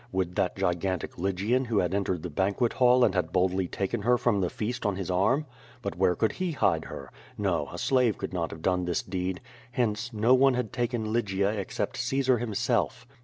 Would that gigantic Lygian who had entered the banquet hall and had boldly taken her from the feast on his arm? But where could he hide her? No, a slave could not have done this deed. Hence, no one had taken Lygia except Caesar him self.